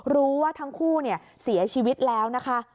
รู้ว่าทั้งคู่เสียชีวิตแล้วนะคะ